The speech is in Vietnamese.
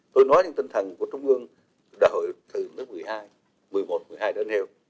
tôi nói những tinh thần của trung ương đã hội từ mức một mươi hai một mươi một một mươi hai đã nêu